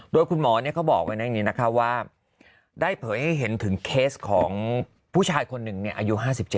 โดยคุณหมอเขาบอกว่าได้เผยให้เห็นถึงเคสของผู้ชายคนหนึ่งอายุ๕๗